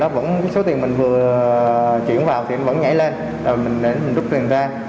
cái số tiền mình vừa chuyển vào thì vẫn nhảy lên rồi mình rút tiền ra